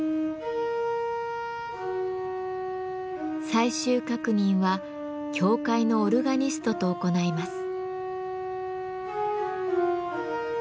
最終確認は教会のオルガニストと行います。